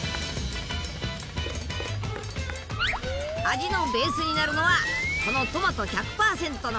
味のベースになるのはこのトマト１００％のペースト！